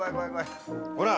ほら。